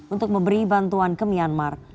untuk memberi bantuan ke myanmar